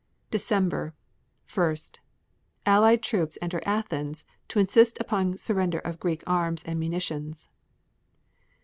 December 1. Allied troops enter Athens to insist upon surrender of Greek arms and munitions.